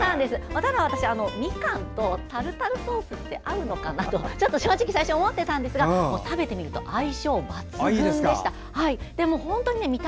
ただ、私みかんとタルタルソースって合うのかなと正直思っていたんですが食べてみると相性抜群でした。